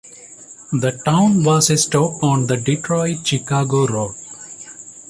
The town was a stop on the Detroit-Chicago road.